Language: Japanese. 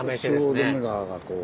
汐留川がこう。